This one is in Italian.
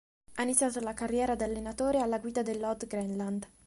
Ha iniziato la carriera da allenatore alla guida dell'Odd Grenland.